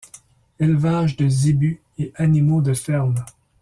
Élevage de zébus et animaux de ferme.